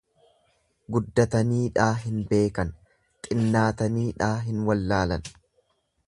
Guddataniidhaa hin beekan, xinnaataniidhaa hin wallaalan.